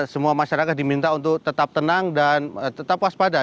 semua masyarakat diminta untuk tetap tenang dan tetap waspada